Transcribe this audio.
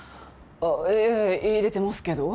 ええ入れてますけど？